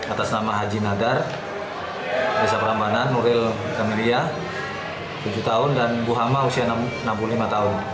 atas nama haji nadar reza prambanan nuril kamelia tujuh tahun dan bu hama usia enam puluh lima tahun